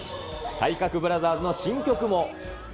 体格ブラザーズの新曲も。